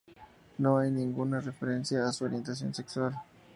No hay ninguna referencia a su orientación sexual..